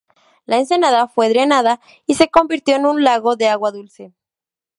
La ensenada fue drenada y se convirtió en un lago de agua dulce.